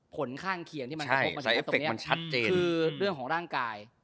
ผลข้างเคียงมันคือเรื่องของร่างกาย